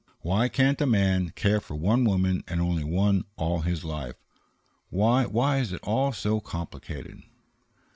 Why can't a man care for one woman and only one all his life? Why why is it all so complicated?"